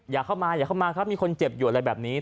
อย่าเข้ามามีคนเจ็บอยู่อะไรแบบนี้